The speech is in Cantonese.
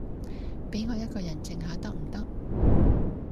比我一個人靜下得唔得